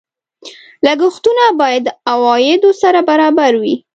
لګښتونه باید د عوایدو سره برابر وي.